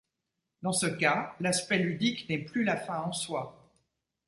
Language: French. Dans ce cas, l'aspect ludique n'est plus la fin en soi.